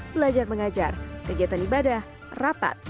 belajar mengajar kegiatan ibadah rapat